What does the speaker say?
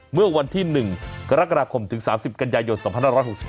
เมื่อวันที่๑กรกฎาคมถึง๓๐กันยายน๒๕๖๒